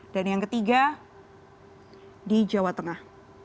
dan yang ketiga di jawa tengah